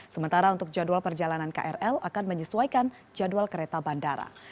sementara untuk jadwal perjalanan krl akan menyesuaikan jadwal kereta bandara